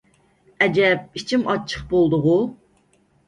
ئەجەب ئىچىم ئاچچىق بولدىغۇ!